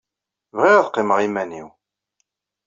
Bɣiɣ ad qqimeɣ i yiman-inu!